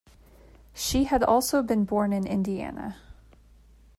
She had also been born in Indiana.